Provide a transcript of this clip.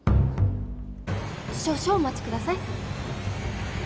少々お待ちください。